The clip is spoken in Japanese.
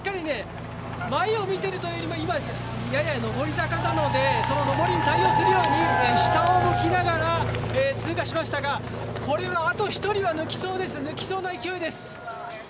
前を見ているというよりはやや上り坂なのでその上りに対応するように下を向きながら通過しましたがこれはあと１人は抜きそうな勢いです。